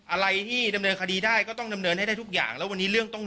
อะไรที่ดำเนินคดีได้ก็ต้องดำเนินให้ได้ทุกอย่างแล้ววันนี้เรื่องต้อง